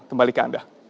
kembali ke anda